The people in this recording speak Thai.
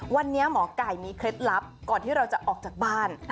วันนี้หมอไก่มีเคล็ดลับก่อนที่เราจะออกจากบ้าน